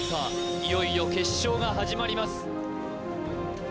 いよいよ決勝が始まります